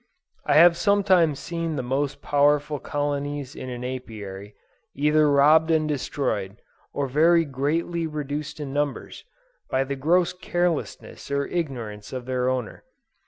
I have sometimes seen the most powerful colonies in an Apiary, either robbed and destroyed, or very greatly reduced in numbers, by the gross carelessness or ignorance of their owner.